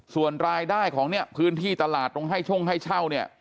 ส่วนรายได้ของพื้นที่ตลาดตรงช่วงให้เช่า